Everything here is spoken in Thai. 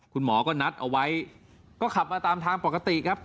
คุณหมอก็นัดเอาไว้ก็ขับมาตามทางปกติครับ